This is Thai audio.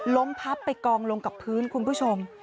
พับไปกองลงกับพื้นคุณผู้ชม